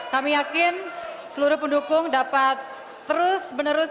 kami yakin seluruh pendukung dapat terus menerus